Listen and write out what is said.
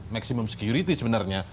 maksimum security sebenarnya